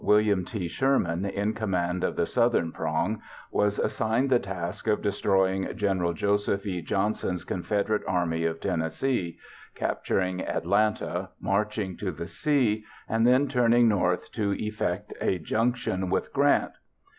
William T. Sherman, in command of the southern prong, was assigned the task of destroying Gen. Joseph E. Johnston's Confederate Army of Tennessee, capturing Atlanta, marching to the sea, and then turning north to effect a junction with Grant.